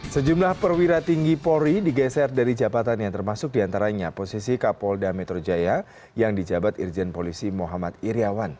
sejumlah perwira tinggi polri digeser dari jabatan yang termasuk diantaranya posisi kapolda metro jaya yang dijabat irjen polisi muhammad iryawan